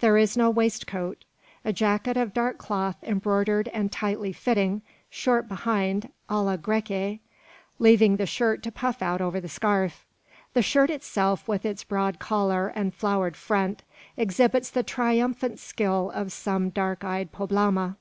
There is no waistcoat. A jacket of dark cloth embroidered and tightly fitting, short behind, a la Grecque, leaving the shirt to puff out over the scarf. The shirt itself, with its broad collar and flowered front, exhibits the triumphant skill of some dark eyed poblana.